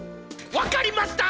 分かりました！